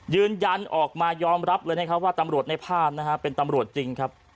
ยืนยันออกมายอมรับเลยนะครับว่าตำรวจในภาพนะฮะเป็นตำรวจจริงครับ